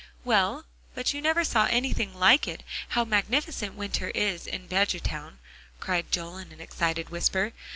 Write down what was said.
"Well, but you never saw anything like it, how magnificent winter is in Badgertown," cried Joel in an excited whisper.